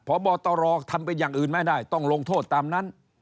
พบตรทำเป็นอย่างอื่นไม่ได้ต้องลงโทษตามนั้น